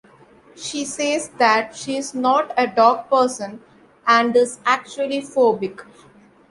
She says that she is not a dog person and is actually phobic.